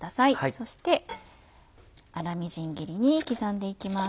そして粗みじん切りに刻んで行きます。